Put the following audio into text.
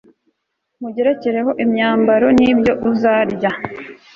nkugerekereho imyambaro n'ibyo uzarya